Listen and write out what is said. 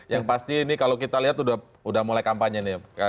yang pasti ini kalau kita lihat sudah mulai kampanye nih ya